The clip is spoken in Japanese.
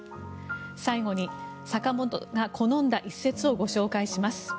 最後に坂本が好んだ一節をご紹介します。